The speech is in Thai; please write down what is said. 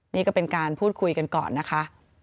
นี่ก็เป็นการพูดคุยกันก่อนนะคะ